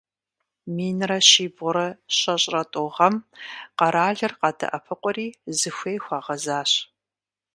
Минрэ щибгъурэ щэщӏрэ тӏу гъэм къэралыр къадэӏэпыкъури, зыхуей хуагъэзащ.